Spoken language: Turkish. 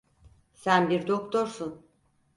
Sen bir doktorsun.